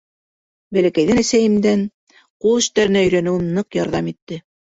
Бәләкәйҙән әсәйемдән ҡул эштәренә өйрәнеүем ныҡ ярҙам итте.